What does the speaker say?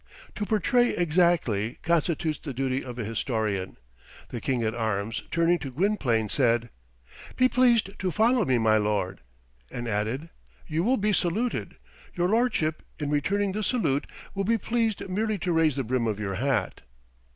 To portray exactly, constitutes the duty of a historian. The King at Arms, turning to Gwynplaine, said, "Be pleased to follow me, my lord." And added, "You will be saluted. Your lordship, in returning the salute, will be pleased merely to raise the brim of your hat."